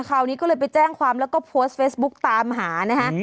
คราวนี้ก็เลยไปแจ้งความแล้วก็โพสต์เฟซบุ๊กตามหานะคะ